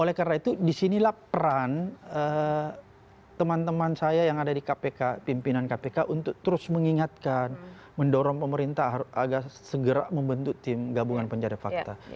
oleh karena itu disinilah peran teman teman saya yang ada di kpk pimpinan kpk untuk terus mengingatkan mendorong pemerintah agar segera membentuk tim gabungan pencari fakta